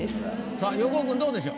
さあ横尾くんどうでしょう？